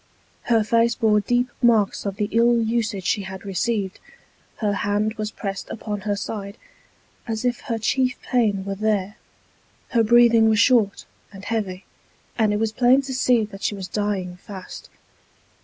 Her face bore deep marks of the ill usage she had received : her hand was pressed upon her side, as if her chief pain were there ; her breathing was short and heavy ; and it was plain to see that she was dying fast.